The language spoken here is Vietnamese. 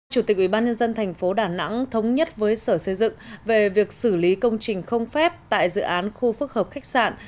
chủ tịch ubnd tp đà nẵng thống nhất với sở xây dựng về việc xử lý công trình không phép tại dự án khu phức hợp khách sạn